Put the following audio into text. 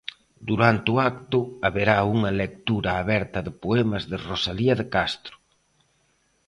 Durante o acto, haberá unha lectura aberta de poemas de Rosalía de Castro.